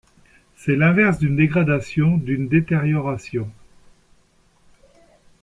C'est l'inverse d'une dégradation, d'une détérioration.